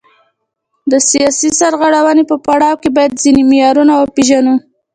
د سیاسي سرغړونې په پړاو کې باید ځینې معیارونه وپیژنو.